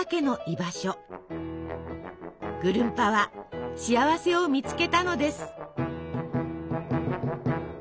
ぐるんぱは幸せを見つけたのです。